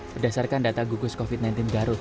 berdasarkan data gugus covid sembilan belas garut